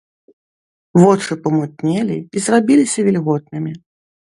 Вочы памутнелі і зрабіліся вільготнымі.